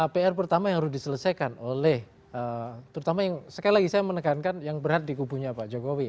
pr pertama yang harus diselesaikan oleh terutama yang sekali lagi saya menekankan yang berat di kubunya pak jokowi